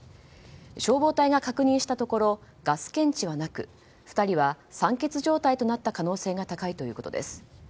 消防隊が確認したところガス検知はなく２人は酸欠状態となった可能性が高いということです。